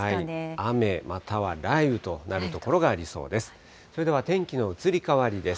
雨または雷雨となる所がありそうです。